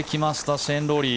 シェーン・ロウリー。